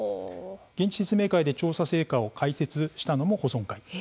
現地説明会で調査成果を解説したのも保存会。